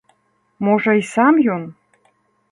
Можа, і сам ён?